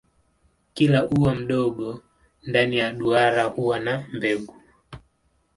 Kila ua mdogo ndani ya duara huwa na mbegu.